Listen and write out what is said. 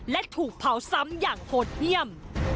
และถูกเผาซ้ำอย่างโหดเยี่ยม